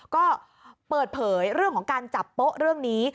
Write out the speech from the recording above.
ก็เปิดเผยเรื่องของการจับโป๊ะเรื่องนี้